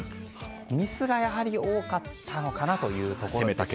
ミスが多かったのかなというところでした。